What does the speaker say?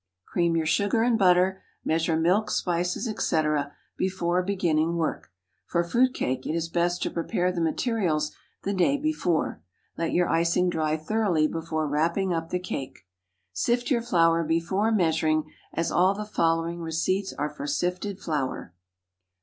Cream your sugar and butter, measure milk, spices, etc., before beginning work. For fruit cake it is best to prepare the materials the day before. Let your icing dry thoroughly before wrapping up the cake. Sift your flour before measuring, as all the following receipts are for sifted flour.